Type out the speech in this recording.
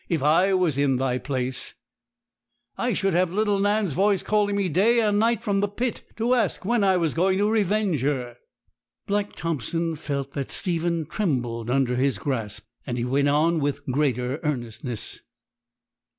If I was in thy place, I should have little Nan's voice calling me day and night from the pit, to ask when I was going to revenge her.' Black Thompson felt that Stephen trembled under his grasp, and he went on with greater earnestness.